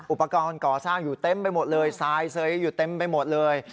อุปกรณ์ก่อสร้างอยู่เต็มไปหมดเลยทรายเซยอยู่เต็มไปหมดเลย